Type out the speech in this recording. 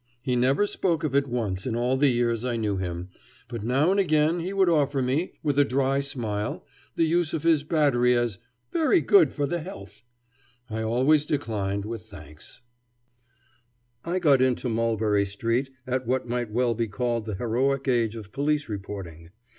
He never spoke of it once in all the years I knew him, but now and again he would offer me, with a dry smile, the use of his battery as "very good for the health." I always declined with thanks. [Illustration: About that interview now he drawled.] I got into Mulberry Street at what might well be called the heroic age of police reporting.